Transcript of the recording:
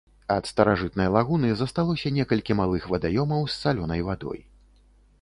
Ад старажытнай лагуны засталося некалькі малых вадаёмаў з салёнай вадой.